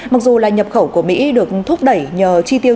mặc dù là nhập khẩu của mỹ được thúc đẩy nhờ chi tiêu